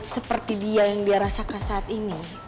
seperti dia yang dia rasakan saat ini